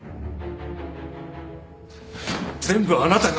全部あなたが。